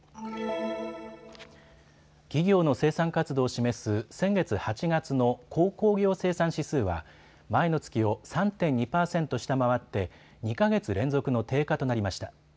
企業の生産活動を示す先月８月の鉱工業生産指数は前の月を３．２％下回って２か月連続の低下となりました。